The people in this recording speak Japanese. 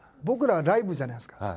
僕らはライブじゃないですか。